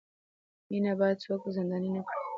مینه باید څوک زنداني نه کړي.